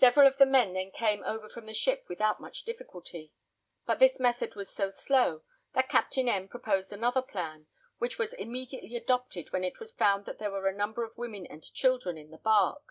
Several of the men then came over from the ship without much difficulty; but this method was so slow, that Captain M proposed another plan, which was immediately adopted when it was found that there were a number of women and children in the bark.